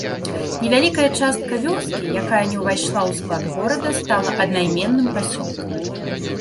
Невялікая частка вёскі, якая не ўвайшла ў склад горада, стала аднайменным пасёлкам.